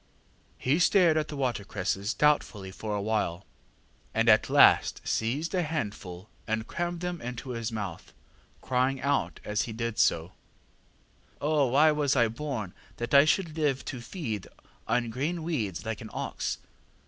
ŌĆÖ ŌĆ£He stared at the watercresses doubtfully for a while, and at last seized a handful and crammed them into his mouth, crying out as he did so, ŌĆśOh, why was I born that I should live to feed on green weeds like an ox?